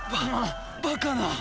ババカな！